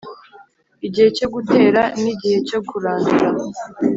Igihe cyo gutera nigihe cyo kurandura